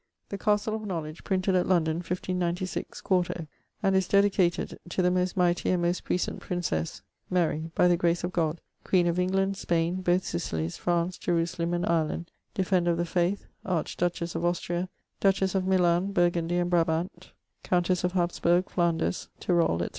The Castle of Knowledge, printed at London, 1596, quarto, and is dedicated 'to the most mightie and most puissant princesse, Marie, by the grace of God, Queen of England, Spaine, both Sicilies, France, Jerusalem, and Ireland, Defender of the Faith, Archduchesse of Austria, Duchesse of Milaine, Burgundie, and Brabant, Countesse of Haspurge, Flanders, Tyroll, etc.'